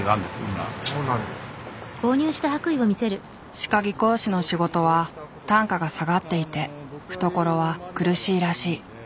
歯科技工士の仕事は単価が下がっていて懐は苦しいらしい。